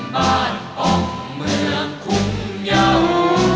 บ้านออกเมืองคุมเยาว